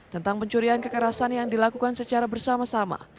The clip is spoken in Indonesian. tentang pencurian kekerasan yang dilakukan secara bersama sama